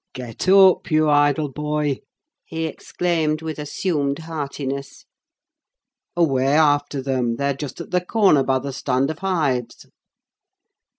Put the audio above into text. "Get up, you idle boy!" he exclaimed, with assumed heartiness. "Away after them! they are just at the corner, by the stand of hives."